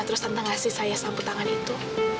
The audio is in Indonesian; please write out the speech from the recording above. lalu tante kasih saya sapu tangan itu